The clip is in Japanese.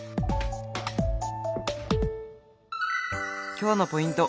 今日のポイント